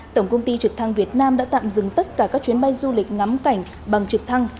tổng công ty trực thăng việt nam đã tạm dừng tất cả các trực thăng bằng trực thăng